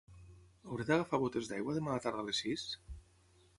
Hauré d'agafar botes d'aigua demà a la tarda a les sis?